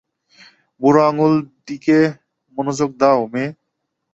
বুড়ো আঙুলে দিকে মনযোগ দাউ, মেয়ে।